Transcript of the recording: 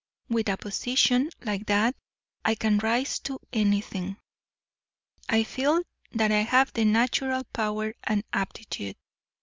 With a position like that I can rise to anything. I feel that I have the natural power and aptitude.